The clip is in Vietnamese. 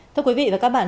thưa quý vị và các bạn